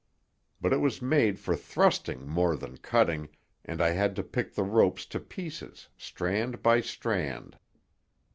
But it was made for thrusting more than cutting, and I had to pick the ropes to pieces, strand by strand.